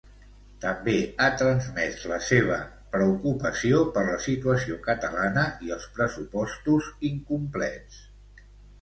També ha transmès la seva preocupació per la situació catalana i els pressupostos incomplets.